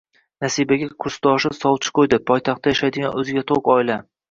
Nasibaga kursdoshi sovchi qo`ydi poytaxtda yashaydigan o`ziga to`q oila